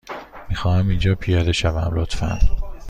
می خواهم اینجا پیاده شوم، لطفا.